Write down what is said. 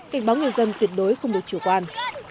cảnh báo người dân tuyệt đối không được chủ quan